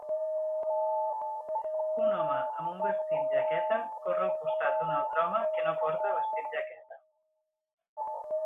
Un home amb un vestit jaqueta corre al costat d'un altre home que no porta vestit jaqueta.